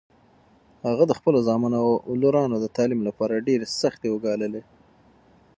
هغه د خپلو زامنو او لورانو د تعلیم لپاره ډېرې سختۍ وګاللې.